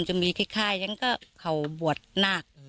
จะมีคล้ายยังก็เขาบวชนาก